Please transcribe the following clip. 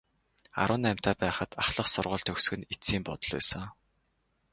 Арван наймтай байхад ахлах сургууль төгсөх нь эцсийн буудал байсан.